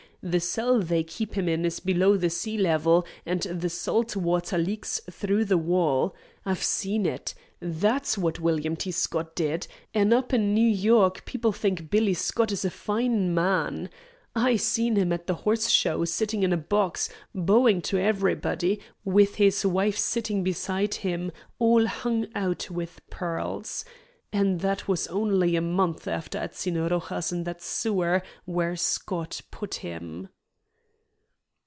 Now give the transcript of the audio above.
The cell they keep him in is below the sea level, and the salt water leaks through the wall. I've seen it. That's what William T. Scott did, an' up in New York people think 'Billy' Scott is a fine man. I seen him at the Horse Show sitting in a box, bowing to everybody, with his wife sitting beside him, all hung out with pearls. An' that was only a month after I'd seen Rojas in that sewer where Scott put him."